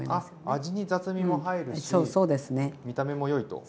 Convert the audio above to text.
味に雑味も入るし見た目も良いと。